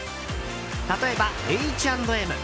例えば、Ｈ＆Ｍ。